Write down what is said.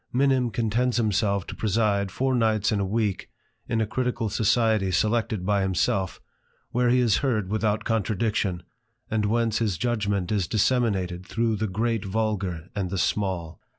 Minim contents himself to preside four nights in a week in a critical society selected by himself, whiere he is heard without contradiction, and whence his judgment is disseminated through the great vulgar and the small.